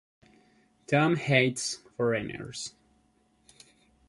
Tom hates foreigners.